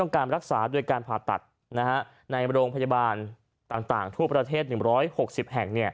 การรักษาโดยการผ่าตัดในโรงพยาบาลต่างทั่วประเทศ๑๖๐แห่ง